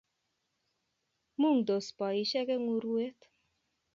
Mungtos boisiek eng urwet